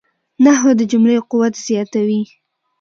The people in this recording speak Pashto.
نحوه د جملې قوت زیاتوي.